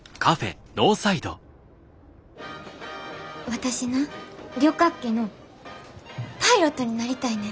私な旅客機のパイロットになりたいねん。